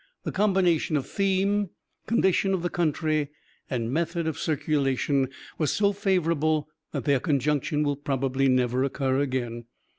The combination of theme, condition of the country, and method of circulation was so favorable that their conjunction will probably never occur again.